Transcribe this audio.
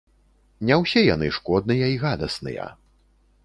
Не ўсе яны шкодныя і гадасныя.